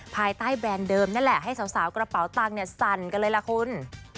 ภายใต้แบรนด์เดิมนั่นแหละให้สาวกระเป๋าตังค์สั่นกันเลยล่ะคุณ